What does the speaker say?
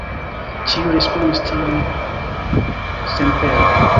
Ĉiuj respondis tuj senpere.